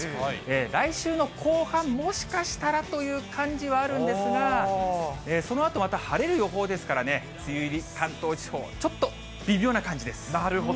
来週の後半、もしかしたらという感じはあるんですが、そのあとまた晴れる予報ですからね、梅雨入り、関東地方、ちょっなるほど。